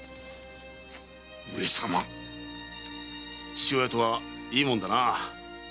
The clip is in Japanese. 父親とはいいもんだなあ。